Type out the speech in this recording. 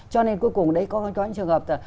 cho nên cuối cùng đấy có những trường hợp